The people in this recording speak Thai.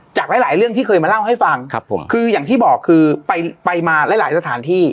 จากหลายหลายเรื่องที่เคยมาเล่าให้ฟังครับผมคืออย่างที่บอกคือไปไปมาหลายหลายสถานที่